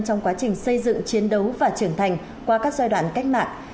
trong quá trình xây dựng chiến đấu và trưởng thành qua các giai đoạn cách mạng